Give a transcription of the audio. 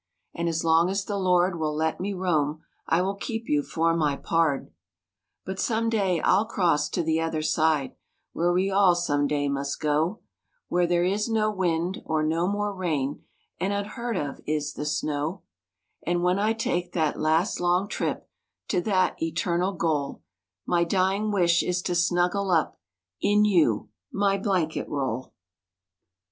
And as long as the Lord will let me roam I will keep you for my pard. But some day I'll cross to the other side, Where we all some day must go; Where there is no wind, or no more rain, And unheard of is the snow; And when I take that last long trip To that eternal goal; My dying wish is to snuggle up In you,—my blanket roll.